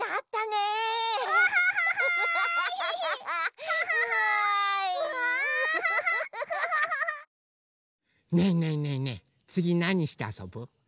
ねえねえねえねえつぎなにしてあそぶ？